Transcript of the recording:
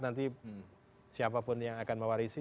nanti siapapun yang akan mewarisi